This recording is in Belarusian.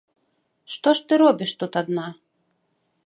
Што ж ты робіш тут адна?